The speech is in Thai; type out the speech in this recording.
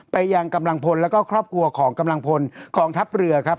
ยังกำลังพลแล้วก็ครอบครัวของกำลังพลกองทัพเรือครับ